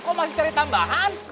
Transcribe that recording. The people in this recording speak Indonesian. kok masih cari tambahan